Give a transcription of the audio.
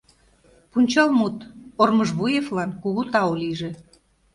Пунчалмут: Ормыжвуевлан кугу тау лийже.